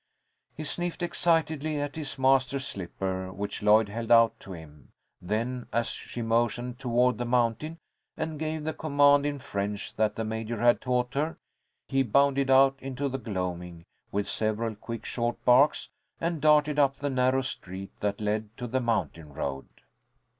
He sniffed excitedly at his master's slipper, which Lloyd held out to him. Then, as she motioned toward the mountain, and gave the command in French that the Major had taught her, he bounded out into the gloaming, with several quick short barks, and darted up the narrow street that led to the mountain road.